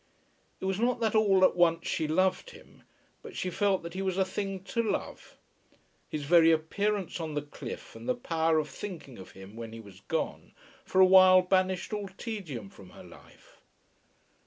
It was not that all at once she loved him, but she felt that he was a thing to love. His very appearance on the cliff, and the power of thinking of him when he was gone, for a while banished all tedium from her life.